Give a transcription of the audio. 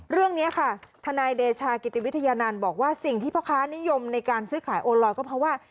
เรื่องนี้ค่ะทนายเดชากิติวิทยานันต์บอกว่าสิ่งที่พ่อค้านิยมในการซื้อขายโอลอยก็เพราะว่า